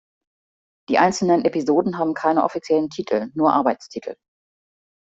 Die einzelnen Episoden haben keine offiziellen Titel, nur Arbeitstitel.